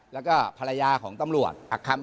และภรรยาของตำรวจ